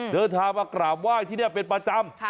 เดินทางมากราบไหว้ที่นี่เป็นประจำ